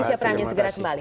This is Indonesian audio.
siapkan kami segera kembali